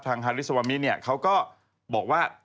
ทางฮเนี่ยเขาก็บอกว่า